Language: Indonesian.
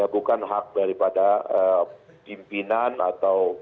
bukan hak daripada pimpinan atau